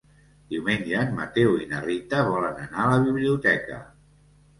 Diumenge en Mateu i na Rita volen anar a la biblioteca.